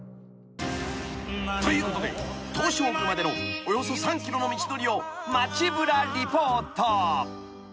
［ということで東照宮までのおよそ３ｋｍの道のりを町ぶらリポート］